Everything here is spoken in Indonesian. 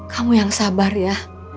kamu yang sabar ya